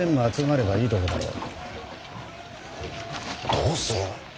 どうする。